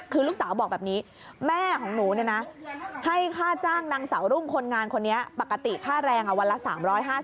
คือลูกสาวบอกแบบนี้แม่ของหนูเนี่ยนะให้ค่าจ้างนางสาวรุ่งคนงานคนนี้ปกติค่าแรงวันละ๓๕๐